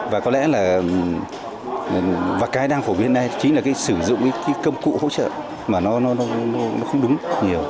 và có lẽ là và cái đang phổ biến này chính là cái sử dụng cái công cụ hỗ trợ mà nó không đúng nhiều